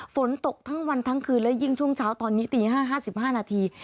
ฝนตกทั้งวันทั้งคืนและยิ่งช่วงเช้าตอนนี้ตี๕๕นาที